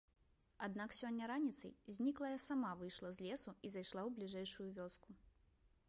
Аднак сёння раніцай зніклая сама выйшла з лесу і зайшла ў бліжэйшую вёску.